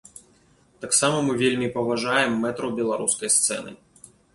Таксама мы вельмі паважаем мэтраў беларускай сцэны.